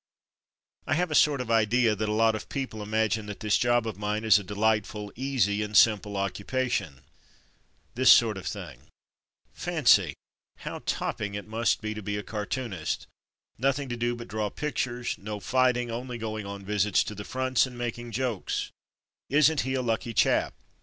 I have a sort of idea that a lot of people imagine that this job of mine is a delightful, easy, and simple occupation. This sort of 202 From Mud to Mufti thing: "Fancy! How topping it must be to be a cartoonist; nothing to do but draw pictures; no fighting, only going on visits to the fronts and making jokes; isn't he a lucky chap?''